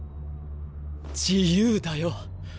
自由だよ！！